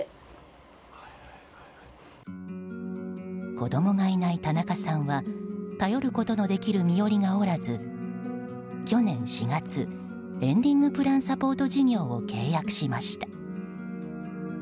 子供がいない田中さんは頼ることのできる身寄りがおらず去年４月、エンディングプラン・サポート事業を契約しました。